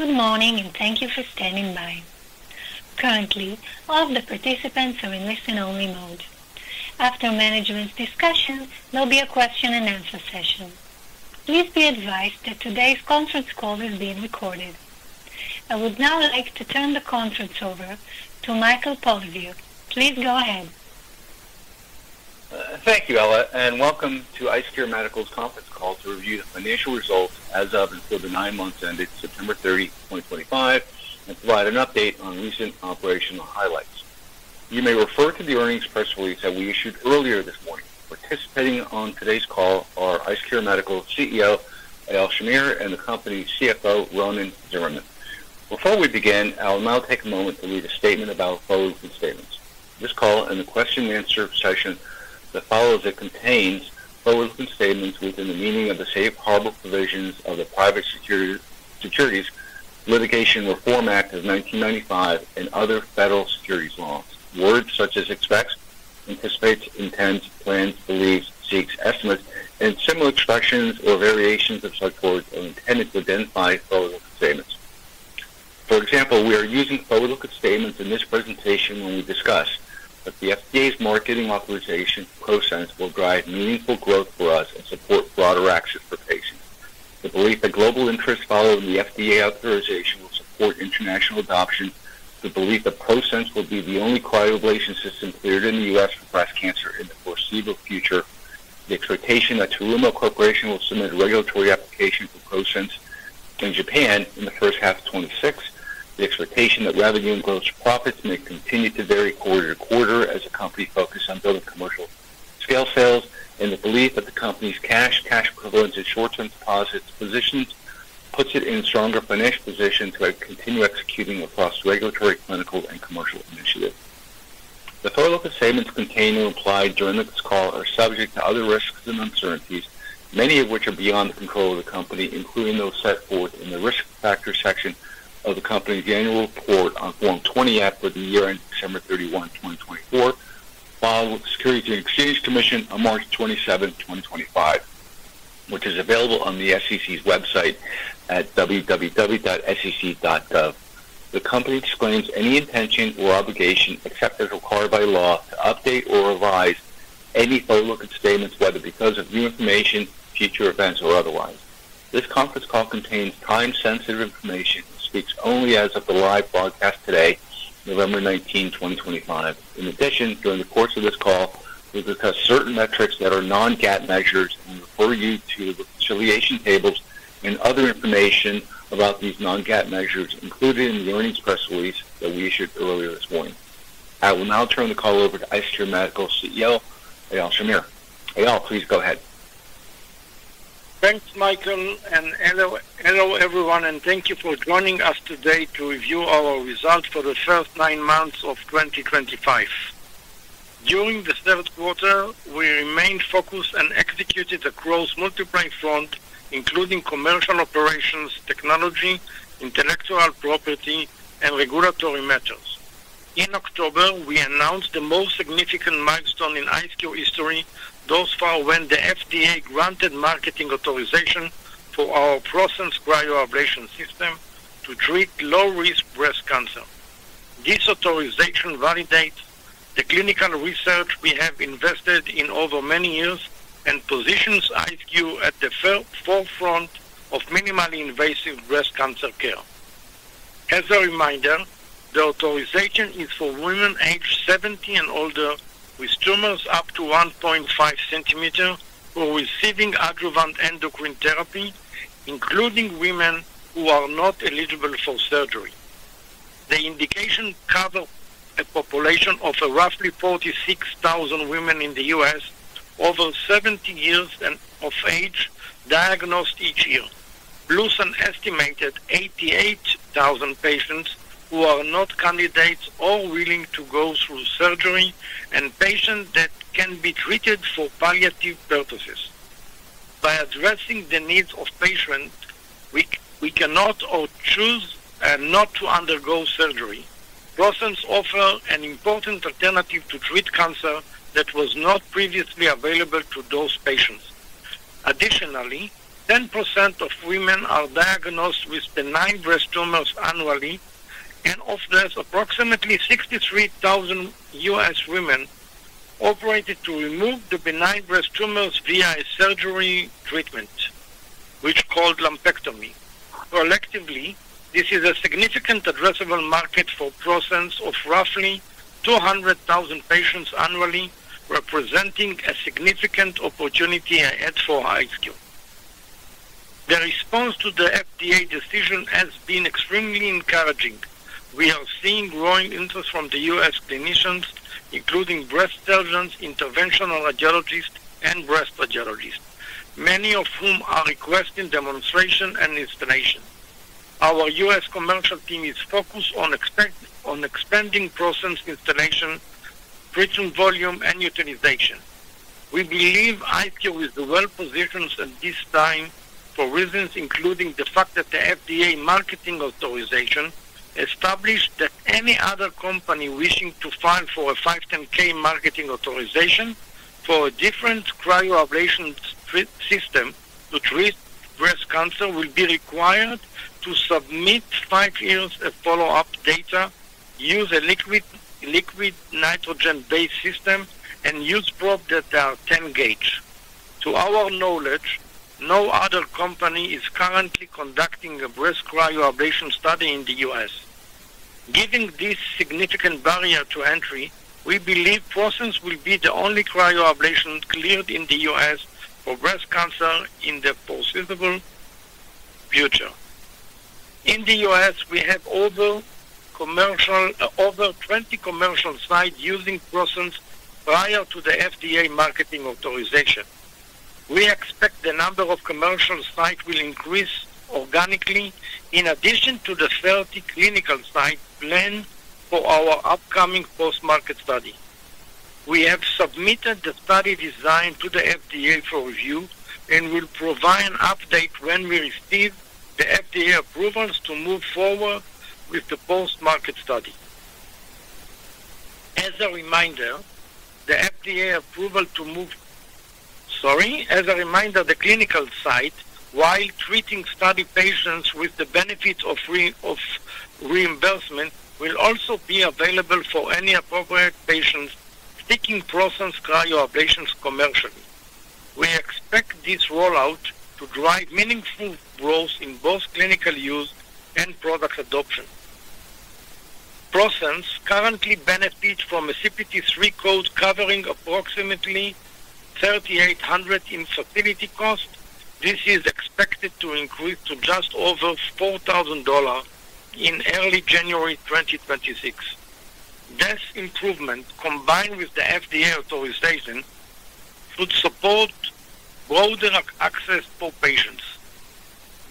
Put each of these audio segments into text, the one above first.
Good morning, and thank you for standing by. Currently, all of the participants are in listen-only mode. After management's discussion, there'll be a question-and-answer session. Please be advised that today's conference call is being recorded. I would now like to turn the conference over to Michael Polyviou. Please go ahead. Thank you, Ella, and welcome to IceCure Medical's conference call to review the financial results as of and for the nine months ending September 30, 2025, and provide an update on recent operational highlights. You may refer to the earnings press release that we issued earlier this morning. Participating on today's call are IceCure Medical CEO Eyal Shamir and the company's CFO Ronen Tsimerman. Before we begin, I will now take a moment to read a statement about forward-looking statements. This call and the question-and-answer session that follows it contains forward-looking statements within the meaning of the safe harbor provisions of the Private Securities Litigation Reform Act of 1995 and other federal securities laws. Words such as expects, anticipates, intends, plans, believes, seeks, estimates, and similar expressions or variations of such words are intended to identify forward-looking statements. For example, we are using forwards and statements in this presentation when we discuss that the FDA marketing authorization of ProSense will drive meaningful growth for us and support broader action for patients. The belief that global interests follow the FDA authorization will support international adoption, the belief that ProSense will be the only cryoablation system cleared in the U.S. for breast cancer in the foreseeable future, the expectation that Terumo Corporation will submit a regulatory application for ProSense in Japan in the first half of 2026, the expectation that revenue and gross profits may continue to vary quarter to quarter as the company focuses on building commercial scale sales, and the belief that the company's cash, cash equivalents, and short-term deposits positions puts it in a stronger financial position to continue executing across regulatory, clinical, and commercial initiatives. The forwards and statements contained or implied during this call are subject to other risks and uncertainties, many of which are beyond the control of the company, including those set forth in the risk factor section of the company's annual report on Form 20F for the year ending December 31, 2024, filed with the Securities and Exchange Commission on March 27, 2025, which is available on the SEC's website at www.sec.gov. The company explains any intention or obligation accepted or required by law to update or revise any forwards and statements, whether because of new information, future events, or otherwise. This conference call contains time-sensitive information and speaks only as of the live broadcast today, November 19, 2025. In addition, during the course of this call, we'll discuss certain metrics that are non-GAAP measures and refer you to the reconciliation tables and other information about these non-GAAP measures included in the earnings press release that we issued earlier this morning. I will now turn the call over to IceCure Medical CEO Eyal Shamir. Eyal, please go ahead. Thanks, Michael, and hello everyone, and thank you for joining us today to review our results for the first nine months of 2025. During the third quarter, we remained focused and executed across multiple fronts, including commercial operations, technology, intellectual property, and regulatory matters. In October, we announced the most significant milestone in IceCure Medical history thus far when the FDA granted marketing authorization for our ProSense cryoablation system to treat low-risk breast cancer. This authorization validates the clinical research we have invested in over many years and positions IceCure Medical at the forefront of minimally invasive breast cancer care. As a reminder, the authorization is for women aged 70 and older with tumors up to 1.5 centimeters who are receiving adjuvant endocrine therapy, including women who are not eligible for surgery. The indication covers a population of roughly 46,000 women in the U.S. over 70 years of age diagnosed each year, plus an estimated 88,000 patients who are not candidates or willing to go through surgery, and patients that can be treated for palliative purposes. By addressing the needs of patients, we cannot or choose not to undergo surgery, ProSense offers an important alternative to treat cancer that was not previously available to those patients. Additionally, 10% of women are diagnosed with benign breast tumors annually, and of these, approximately 63,000 U.S. women operated to remove the benign breast tumors via a surgery treatment, which is called lumpectomy. Collectively, this is a significant addressable market for ProSense of roughly 200,000 patients annually, representing a significant opportunity ahead for IceCure. The response to the FDA decision has been extremely encouraging. We are seeing growing interest from the U.S. clinicians, including breast surgeons, interventional radiologists, and breast radiologists, many of whom are requesting demonstration and installation. Our U.S. commercial team is focused on expanding ProSense installation, printing volume, and utilization. We believe IceCure is well positioned at this time for reasons including the fact that the FDA marketing authorization established that any other company wishing to file for a 510(k) marketing authorization for a different cryoablation system to treat breast cancer will be required to submit five years of follow-up data, use a liquid nitrogen-based system, and use probes that are 10 gauge. To our knowledge, no other company is currently conducting a breast cryoablation study in the U.S. Given this significant barrier to entry, we believe ProSense will be the only cryoablation cleared in the U.S. for breast cancer in the foreseeable future. In the U.S., we have over 20 commercial sites using ProSense prior to the FDA marketing authorization. We expect the number of commercial sites will increase organically in addition to the 30 clinical sites planned for our upcoming post-market study. We have submitted the study design to the FDA for review and will provide an update when we receive the FDA approvals to move forward with the post-market study. As a reminder, the FDA approval to move—sorry, as a reminder, the clinical site while treating study patients with the benefit of reimbursement will also be available for any appropriate patients seeking ProSense cryoablations commercially. We expect this rollout to drive meaningful growth in both clinical use and product adoption. ProSense currently benefits from a CPT-3 code covering approximately $3,800 in facility cost. This is expected to increase to just over $4,000 in early January 2026. This improvement, combined with the FDA authorization, should support broader access for patients.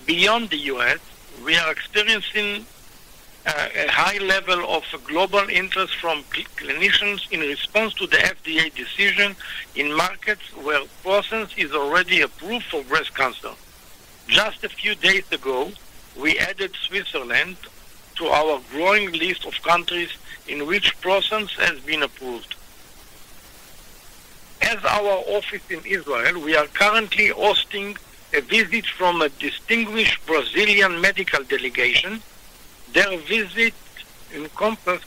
Beyond the U.S., we are experiencing a high level of global interest from clinicians in response to the FDA decision in markets where ProSense is already approved for breast cancer. Just a few days ago, we added Switzerland to our growing list of countries in which ProSense has been approved. As our office in Israel, we are currently hosting a visit from a distinguished Brazilian medical delegation. Their visit encompassed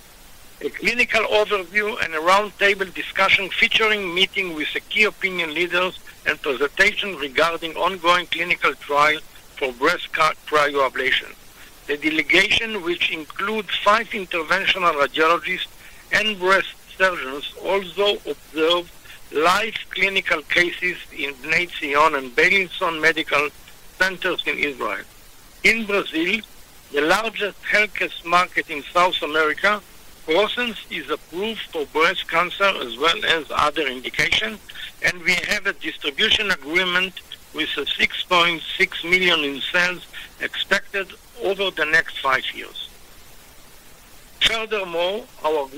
a clinical overview and a roundtable discussion featuring meeting with key opinion leaders and presentation regarding ongoing clinical trial for breast cryoablation. The delegation, which includes five interventional radiologists and breast surgeons, also observed live clinical cases in Nate Sion and Bailey Medical Centers in Israel. In Brazil, the largest healthcare market in South America, ProSense is approved for breast cancer as well as other indications, and we have a distribution agreement with $6.6 million in sales expected over the next five years. Furthermore, our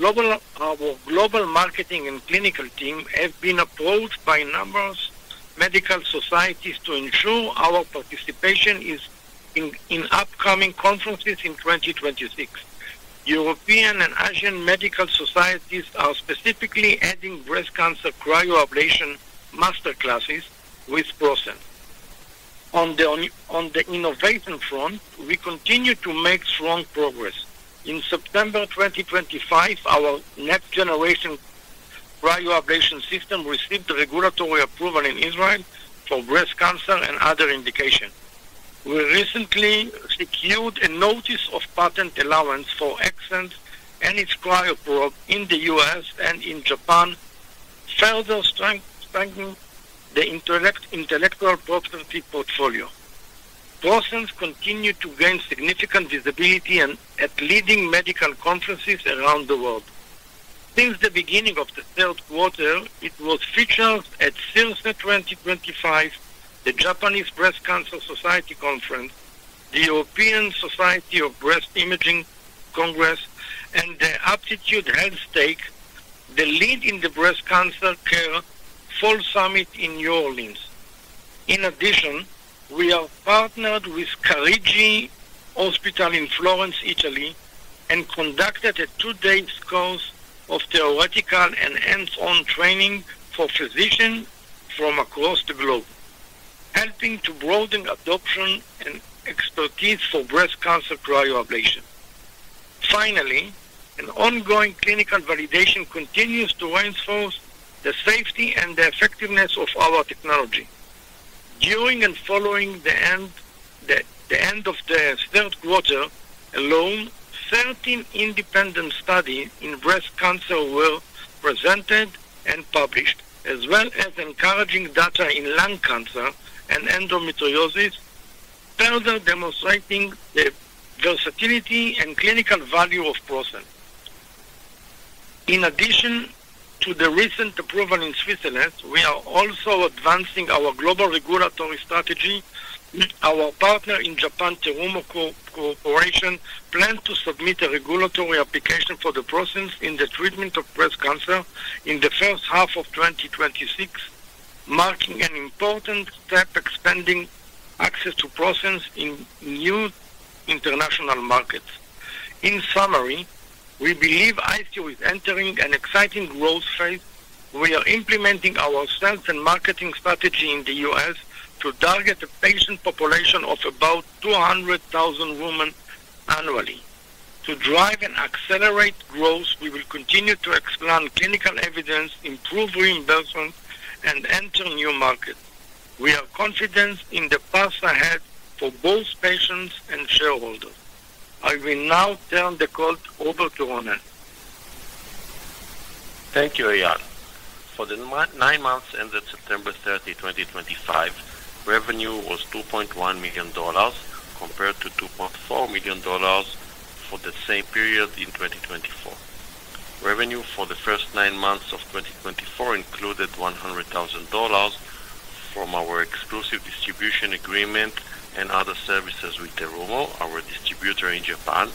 global marketing and clinical team have been approached by numerous medical societies to ensure our participation in upcoming conferences in 2026. European and Asian medical societies are specifically adding breast cancer cryoablation master classes with ProSense. On the innovation front, we continue to make strong progress. In September 2025, our next generation cryoablation system received regulatory approval in Israel for breast cancer and other indications. We recently secured a notice of patent allowance for Accent and its cryo probe in the U.S. and in Japan, further strengthening the intellectual property portfolio. ProSense continued to gain significant visibility at leading medical conferences around the world. Since the beginning of the third quarter, it was featured at CIRSA 2025, the Japanese Breast Cancer Society Conference, the European Society of Breast Imaging Congress, and the Aptitude Health Stakeholder Leadership in the Breast Cancer Care Field Summit in New Orleans. In addition, we have partnered with Carigi Hospital in Florence, Italy, and conducted a two-day course of theoretical and hands-on training for physicians from across the globe, helping to broaden adoption and expertise for breast cancer cryoablation. Finally, an ongoing clinical validation continues to reinforce the safety and the effectiveness of our technology. During and following the end of the third quarter alone, 13 independent studies in breast cancer were presented and published, as well as encouraging data in lung cancer and endometriosis, further demonstrating the versatility and clinical value of ProSense. In addition to the recent approval in Switzerland, we are also advancing our global regulatory strategy. Our partner in Japan, Terumo Corporation, planned to submit a regulatory application for ProSense in the treatment of breast cancer in the first half of 2026, marking an important step expanding access to ProSense in new international markets. In summary, we believe IceCure is entering an exciting growth phase. We are implementing our sales and marketing strategy in the U.S. to target a patient population of about 200,000 women annually. To drive and accelerate growth, we will continue to expand clinical evidence, improve reimbursement, and enter new markets. We are confident in the path ahead for both patients and shareholders. I will now turn the call over to Ronen. Thank you, Eyal. For the nine months ended September 30, 2025, revenue was $2.1 million compared to $2.4 million for the same period in 2024. Revenue for the first nine months of 2024 included $100,000 from our exclusive distribution agreement and other services with Terumo, our distributor in Japan,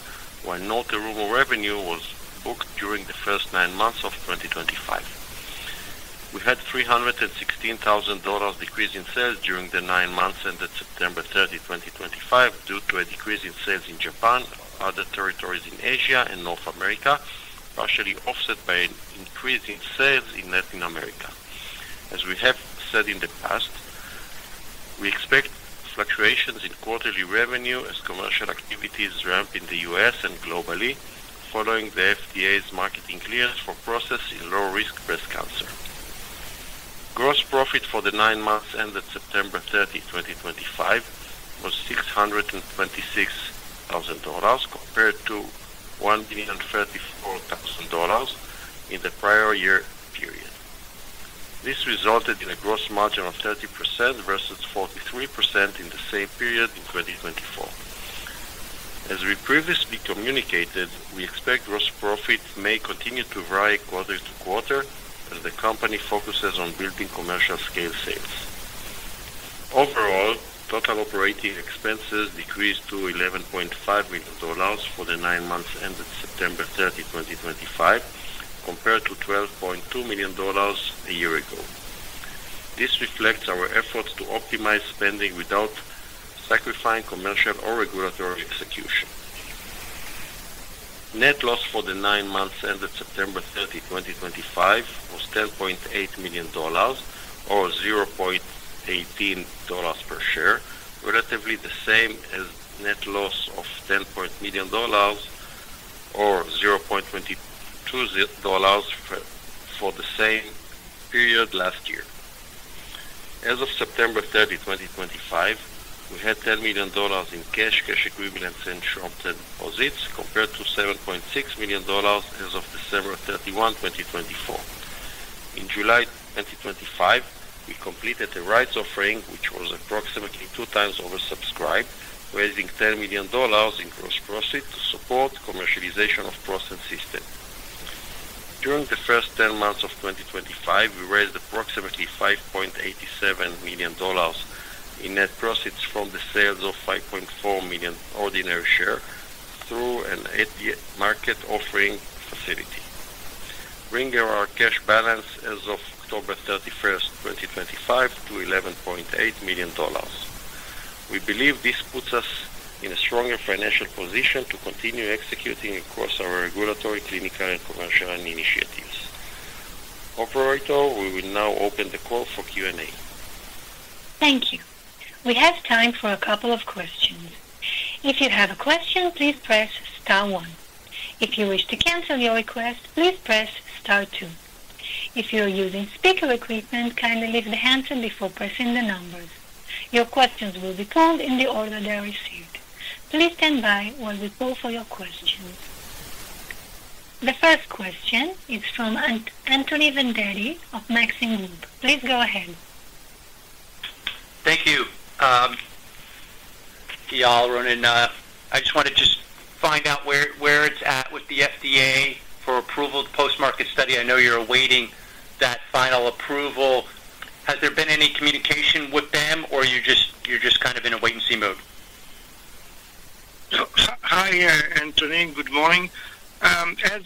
while no Terumo revenue was booked during the first nine months of 2025. We had $316,000 decrease in sales during the nine months ended September 30, 2025, due to a decrease in sales in Japan, other territories in Asia, and North America, partially offset by an increase in sales in Latin America. As we have said in the past, we expect fluctuations in quarterly revenue as commercial activities ramp in the U.S. and globally following the FDA's marketing clearance for ProSense in low-risk breast cancer. Gross profit for the nine months ended September 30, 2025, was $626,000 compared to $1,034,000 in the prior year period. This resulted in a gross margin of 30% versus 43% in the same period in 2024. As we previously communicated, we expect gross profit may continue to vary quarter to quarter as the company focuses on building commercial-scale sales. Overall, total operating expenses decreased to $11.5 million for the nine months ended September 30, 2025, compared to $12.2 million a year ago. This reflects our efforts to optimize spending without sacrificing commercial or regulatory execution. Net loss for the nine months ended September 30, 2025, was $10.8 million or $0.18 per share, relatively the same as net loss of $10 million or $0.22 for the same period last year. As of September 30, 2025, we had $10 million in cash equivalents and short-term deposits compared to $7.6 million as of December 31, 2024. In July 2025, we completed a rights offering, which was approximately two times oversubscribed, raising $10 million in gross proceeds to support commercialization of ProSense system. During the first 10 months of 2025, we raised approximately $5.87 million in net proceeds from the sale of 5.4 million ordinary shares through an at-the-market offering facility. Bringing our cash balance as of October 31, 2025, to $11.8 million. We believe this puts us in a stronger financial position to continue executing across our regulatory, clinical, and commercial initiatives. Operator, we will now open the call for Q&A. Thank you. We have time for a couple of questions. If you have a question, please press Star 1. If you wish to cancel your request, please press Star 2. If you are using speaker equipment, kindly lift the handset before pressing the numbers. Your questions will be called in the order they are received. Please stand by while we poll for your questions. The first question is from Anthony Vendetti of Maxim Group. Please go ahead. Thank you, Eyal, Ronen. I just want to just find out where it's at with the FDA for approval of the post-market study. I know you're awaiting that final approval. Has there been any communication with them, or are you just kind of in a wait-and-see mode? Hi, Anthony. Good morning. As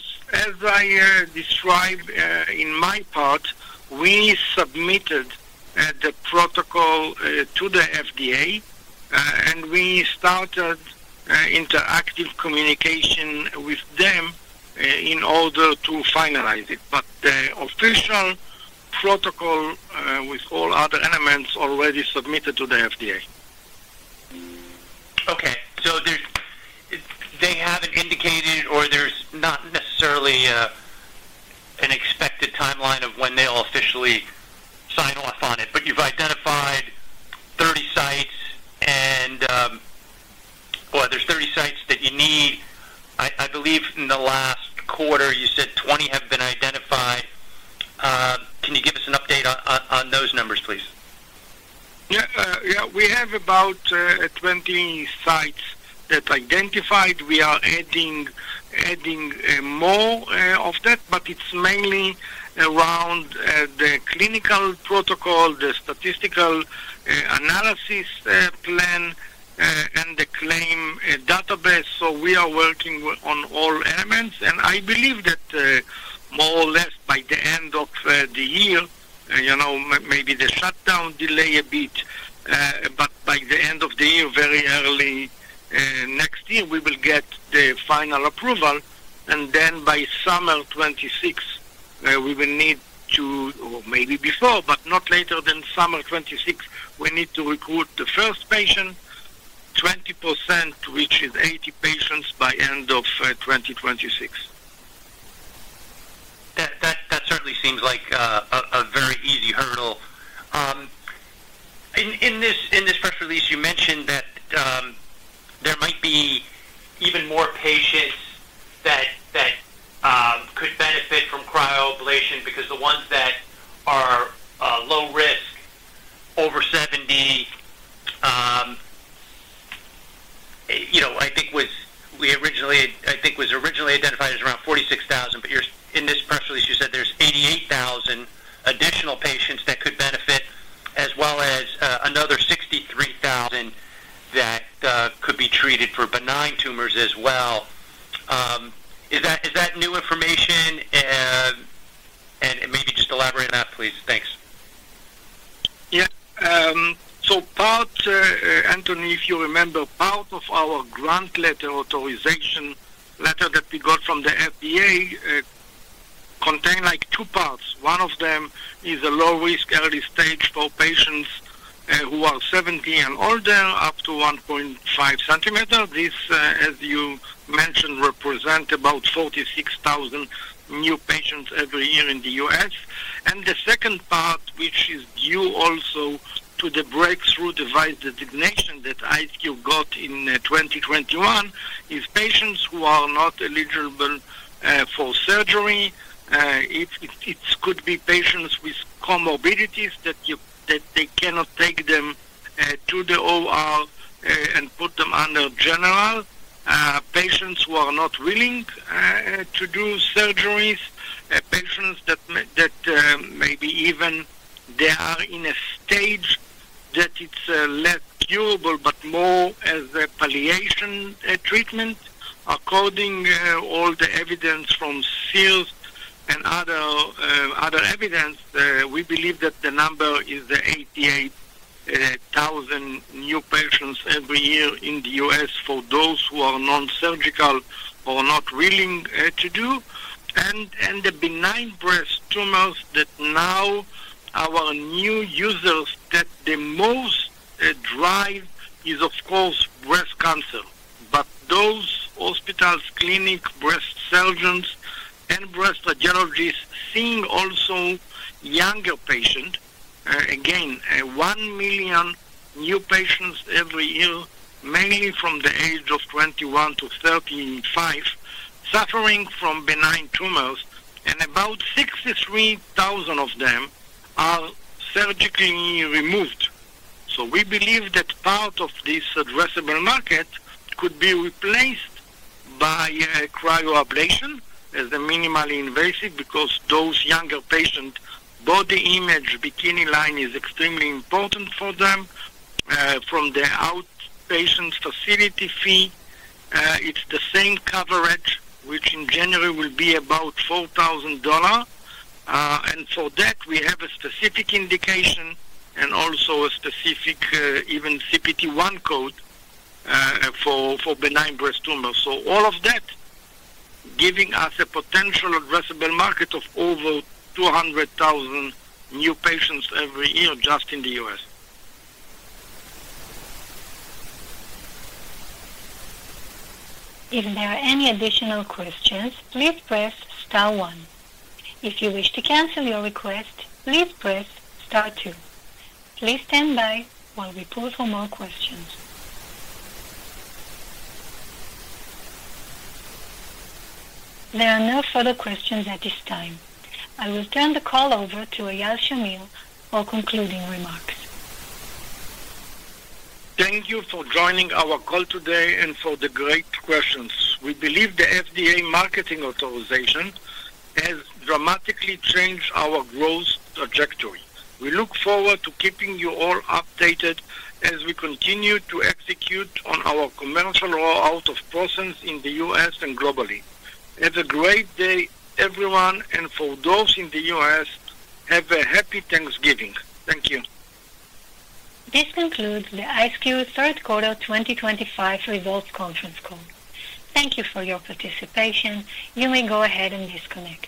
I described in my part, we submitted the protocol to the FDA, and we started interactive communication with them in order to finalize it. But the official protocol with all other elements is already submitted to the FDA. Okay. So they haven't indicated, or there's not necessarily an expected timeline of when they'll officially sign off on it. But you've identified 30 sites, and, well, there's 30 sites that you need. I believe in the last quarter, you said 20 have been identified. Can you give us an update on those numbers, please? Yeah. We have about 20 sites that are identified. We are adding more of that, but it's mainly around the clinical protocol, the statistical analysis plan, and the claim database. So we are working on all elements. And I believe that more or less by the end of the year, maybe the shutdown delay a bit, but by the end of the year, very early next year, we will get the final approval. And then by summer 2026, we will need to, or maybe before, but not later than summer 2026, we need to recruit the first patient, 20%, which is 80 patients by end of 2026. That certainly seems like a very easy hurdle. In this press release, you mentioned that there might be even more patients that could benefit from cryoablation because the ones that are low risk, over 70, I think was originally identified as around 46,000. But in this press release, you said there's 88,000 additional patients that could benefit, as well as another 63,000 that could be treated for benign tumors as well. Is that new information? And maybe just elaborate on that, please. Thanks. Yeah. So part, Anthony, if you remember, part of our grant letter authorization letter that we got from the FDA contained two parts. One of them is a low-risk early stage for patients who are 70 and older, up to 1.5 centimeters. This, as you mentioned, represents about 46,000 new patients every year in the U.S.. And the second part, which is due also to the breakthrough device designation that IceCure got in 2021, is patients who are not eligible for surgery. It could be patients with comorbidities that they cannot take them to the OR and put them under general, patients who are not willing to do surgeries, patients that maybe even they are in a stage that it's less curable, but more as a palliation treatment. According to all the evidence from CIRSE and other evidence, we believe that the number is 88,000 new patients every year in the U.S. for those who are nonsurgical or not willing to do. And the benign breast tumors that now our new users. That the most drive is, of course, breast cancer. But those hospitals, clinic, breast surgeons, and breast radiologists seeing also younger patients, again, 1 million new patients every year, mainly from the age of 21 to 35, suffering from benign tumors, and about 63,000 of them are surgically removed. So we believe that part of this addressable market could be replaced by cryoablation as a minimally invasive because those younger patients, body image, bikini line is extremely important for them. From the outpatient facility fee, it's the same coverage, which in January will be about $4,000. And for that, we have a specific indication and also a specific, even CPT-1 code for benign breast tumors. So all of that giving us a potential addressable market of over 200,000 new patients every year just in the U.S.. If there are any additional questions, please press Star 1. If you wish to cancel your request, please press Star 2. Please stand by while we pull for more questions. There are no further questions at this time. I will turn the call over to Eyal Shamir for concluding remarks. Thank you for joining our call today and for the great questions. We believe the FDA marketing authorization has dramatically changed our growth trajectory. We look forward to keeping you all updated as we continue to execute on our commercial rollout of ProSense in the U.S. and globally. Have a great day, everyone, and for those in the U.S., have a happy Thanksgiving. Thank you. This concludes the IceCure Third Quarter 2025 Results Conference Call. Thank you for your participation. You may go ahead and disconnect.